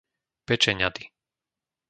Pečeňady